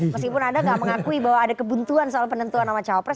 meskipun anda nggak mengakui bahwa ada kebuntuan soal penentuan nama cawapres